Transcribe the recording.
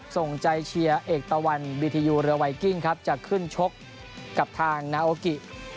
ส่งใจเชียร์เอกตะวันบีทียูเรือไวกิ้งครับจะขึ้นชกกับทางนาโอกิ